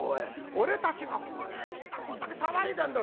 俺たちがみんなこんだけ騒いでんだ。